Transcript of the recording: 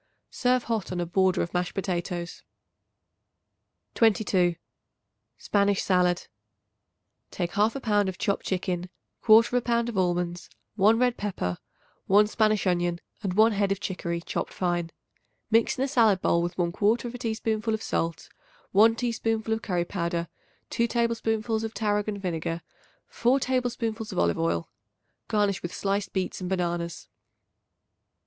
Serve hot on a border of mashed potatoes. 22. Spanish Salad. Take 1/2 pound of chopped chicken, 1/4 pound of almonds, 1 red pepper, 1 Spanish onion and 1 head of chicory chopped fine. Mix in a salad bowl with 1/4 teaspoonful of salt, 1 teaspoonful of curry powder, 2 tablespoonfuls of tarragon vinegar, 4 tablespoonfuls of olive oil. Garnish with sliced beets and bananas.